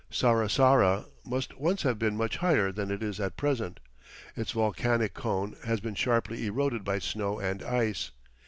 Sarasara must once have been much higher than it is at present. Its volcanic cone has been sharply eroded by snow and ice.